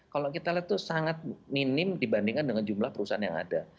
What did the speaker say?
kalau kita lihat itu sangat minim dibandingkan dengan jumlah perusahaan yang ada